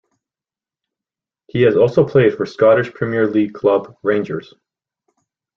He has also played for Scottish Premier League club Rangers.